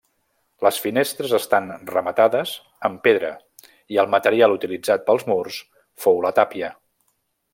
Les finestres estan rematades amb pedra i el material utilitzat pels murs fou la tàpia.